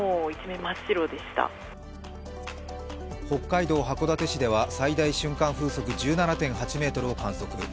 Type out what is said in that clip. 北海道函館市では最大瞬間風速１７．８メトールを観測。